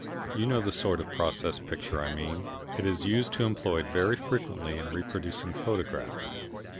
You know the sort of process picture I mean it used to be employed very frequently in reproducing photographs.